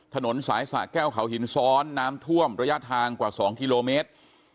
ถนนสายสะแก้วเขาหินซ้อนน้ำท่วมระยะทางกว่า๒กิโลเมตร